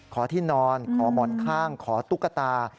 ขอที่นอนขอหมอนข้างขอตุ๊กตา